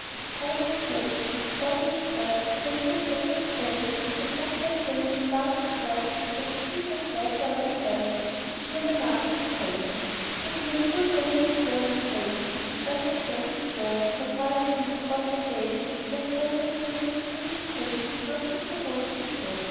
As Cairo's slaves, to bondage bred, The arid deserts roam, Through trackless sands undaunted tread, With skins of water on their head To cheer their masters home, So here full many a sturdy swain His precious baggage bore; Old misers e'en forgot their gain, And bed rid cripples, free from pain, Now took the road before.